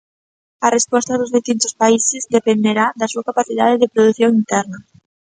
A resposta dos distintos países dependerá da súa capacidade de produción interna.